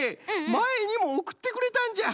まえにもおくってくれたんじゃ。